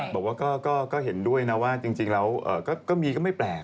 บอกว่าก็เห็นด้วยนะว่าจริงแล้วก็มีก็ไม่แปลก